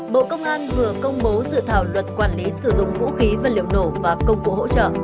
bộ công an vừa công bố dự thảo luật quản lý sử dụng vũ khí và liệu nổ và công cụ hỗ trợ